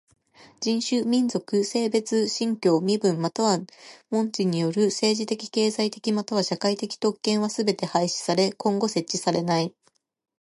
人種、民族、性別、信教、身分または門地による政治的経済的または社会的特権はすべて廃止され今後設置されえない。